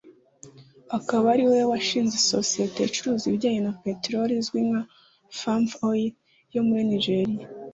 akaba ariwe washinze sosiyete icuruza ibijyanye na peteroli izwi nka Famfa Oil yo muri Nigeriya